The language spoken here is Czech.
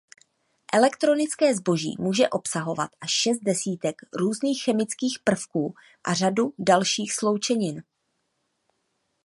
Elektronické zboží může obsahovat až šest desítek různých chemických prvků a řadu dalších sloučenin.